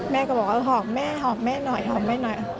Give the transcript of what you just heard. แม่ก็บอกว่าหอบแม่หอบแม่หน่อยหอบแม่หน่อย